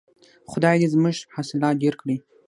خدای دې زموږ حاصلات ډیر کړي.